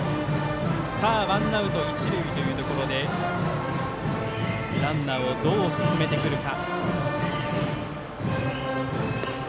ワンアウト、一塁というところでランナーをどう進めてくるか。